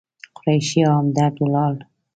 قریشي او همدرد ولاړل.